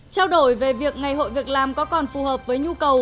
trao đổi về việc ngày hội việc làm có còn phù hợp với nhu cầu